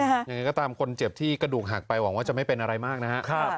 ยังไงก็ตามคนเจ็บที่กระดูกหักไปหวังว่าจะไม่เป็นอะไรมากนะครับ